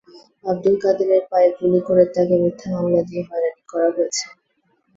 আবদুল কাদেরের পায়ে গুলি করে তাঁকে মিথ্যা মামলা দিয়ে হয়রানি করা হয়েছে।